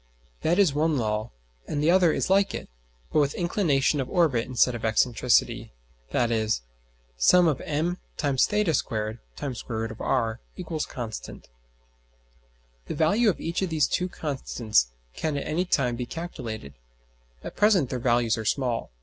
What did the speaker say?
That is one law, and the other is like it, but with inclination of orbit instead of excentricity, viz.: [Sigma](m[theta]^2 [square root]r) = constant. The value of each of these two constants can at any time be calculated. At present their values are small.